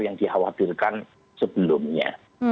yang dikhawatirkan sebelumnya